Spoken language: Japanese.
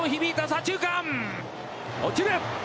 左中間、落ちる！